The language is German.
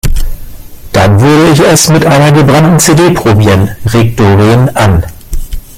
Dann würde ich es mit einer gebrannten CD probieren, regt Doreen an.